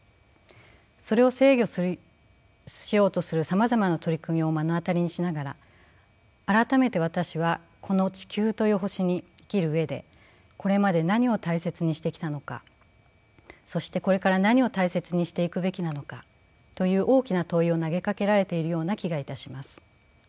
それを制御しようとするさまざまな取り組みを目の当たりにしながら改めて私はこの地球という星に生きる上でこれまで何を大切にしてきたのかそしてこれから何を大切にしていくべきなのかという大きな問いを投げかけられているような気がいたします。